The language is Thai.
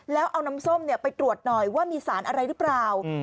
แล้วเอาน้ำส้มไปตรวจหน่อยว่ามีสารอะไรหรือเปล่า